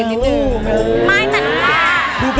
ไม่แต่คือ